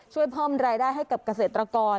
ช่วยเพิ่มรายได้ให้กับเกษตรกร